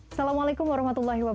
assalamualaikum wr wb